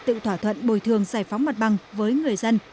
tự thỏa thuận bồi thường giải phóng mặt bằng với người dân